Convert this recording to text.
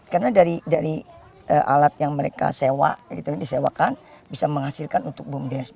karena dari alat yang mereka sewa yang tadi disewakan bisa menghasilkan untuk boomdesk